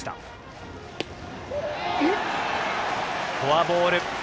フォアボール。